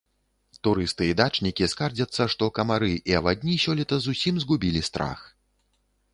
Турысты і дачнікі скардзяцца, што камары і авадні сёлета зусім згубілі страх.